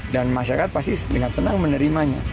dan masyarakat pasti dengan senang menerimanya